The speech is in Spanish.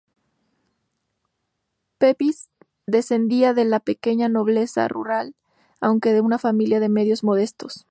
Pepys descendía de la pequeña nobleza rural, aunque de una familia de medios modestos.